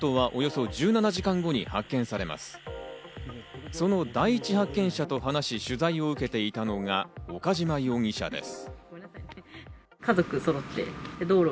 その第１発見者と話し、取材を受けていたのが岡島容疑者です。